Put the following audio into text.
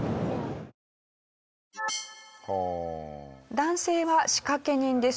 男性は仕掛け人です。